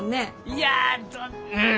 いやどうん。